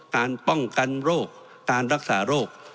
การป้องกันโรคการรักษาโรค